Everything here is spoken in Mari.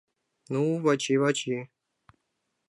Ну, Вачи, Вачи!